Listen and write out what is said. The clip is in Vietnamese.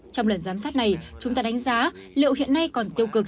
trong lần giám sát này chúng ta đánh giá liệu hiện nay còn tiêu cực